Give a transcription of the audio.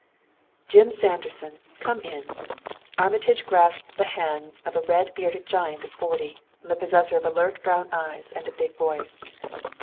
"Jim Sanderson, come in!" Armitage grasped the hands of a red bearded giant of forty, the possessor of alert brown eyes and a big voice.